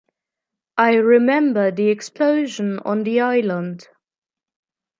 I remember the explosion on the island.